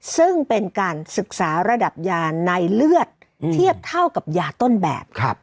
ซึ่งเป็นการศึกษาระดับยาในเลือดเทียบเท่ากับยาต้นแบบ